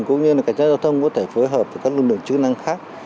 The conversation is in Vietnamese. cũng như là cảnh sát giao thông có thể phối hợp với các lực lượng chức năng khác